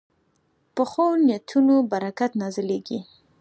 پخو نیتونو برکت نازلېږي